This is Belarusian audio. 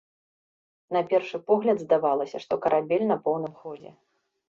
На першы погляд здавалася, што карабель на поўным ходзе.